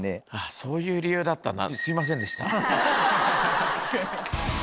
そういう理由だったんだ。